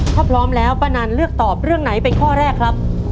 ถ้าพร้อมแล้วป้านันเลือกตอบเรื่องไหนเป็นข้อแรกครับ